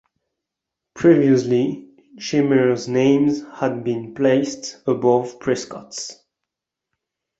Previously, Scheimer's name had been placed above Prescott's.